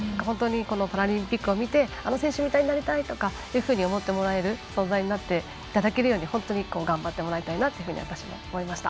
パラリンピックを見てあの選手みたいになりたいとかそういうふうに思ってもらえる存在になっていただけるように頑張ってもらいたいなっていうふうに私は思いました。